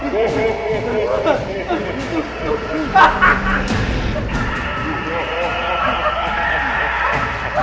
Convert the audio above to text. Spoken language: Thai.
จู้เฮ้เหเหเชิง